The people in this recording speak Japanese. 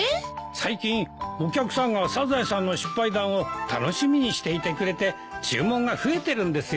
最近お客さんがサザエさんの失敗談を楽しみにしていてくれて注文が増えてるんですよ。